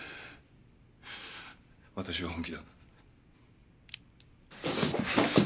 私は本気だ。